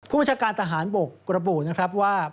ผู้บัญชาการทหารบกระบุว่า